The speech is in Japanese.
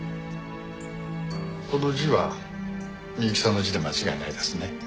この字は美雪さんの字で間違いないですね？